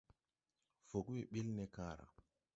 Fug we ɓil ne kããra.